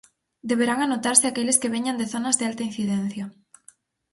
Deberán anotarse aqueles que veñan de zonas de alta incidencia.